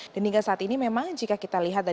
dan hingga saat ini memang jika kita lihat